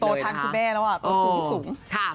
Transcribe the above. โตทันคุณแม่แล้วโตสูง